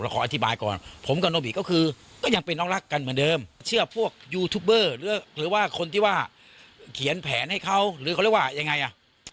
ขออธิบายก่อนผมกับโนบิก็คือก็ยังเป็นน้องรักกันเหมือนเดิมเชื่อพวกยูทูบเบอร์หรือว่าคนที่ว่าเขียนแผนให้เขาหรือเขาเรียกว่ายังไงอ่ะ